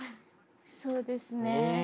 そうですね。